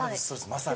まさに。